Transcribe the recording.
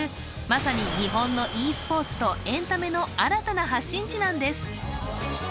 まさに日本のｅスポーツとエンタメの新たな発信地なんです